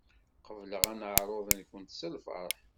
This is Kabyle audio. Qebleɣ aneɛṛuḍ-nkent s lfeṛḥ.